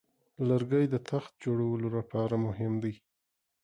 لرګی د تخت جوړولو لپاره مهم دی.